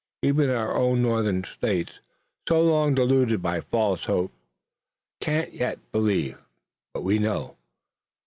"Even our own Northern states, so long deluded by false hopes, can't yet believe, but we know."